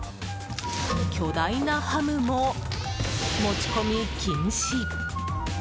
巨大なハムも持ち込み禁止。